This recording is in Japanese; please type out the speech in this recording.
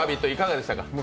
いかがでしたか？